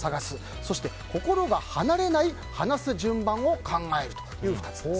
そして、心が離れない話す順番を考えるという２つです。